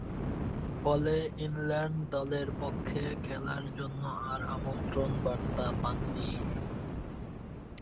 ফলে, ইংল্যান্ড দলের পক্ষে খেলার জন্যে আর আমন্ত্রণ বার্তা পাননি।